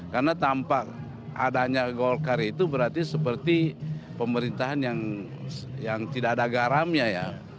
karena tampak adanya golkar itu berarti seperti pemerintahan yang tidak ada garamnya ya